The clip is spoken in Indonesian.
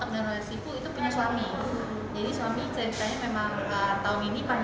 dipecahkan karena di pandemi